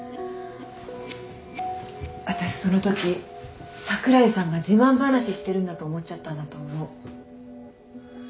私そのとき櫻井さんが自慢話してるんだと思っちゃったんだと思う。